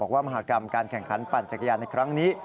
มหากรรมการแข่งขันปั่นจักรยานในครั้งนี้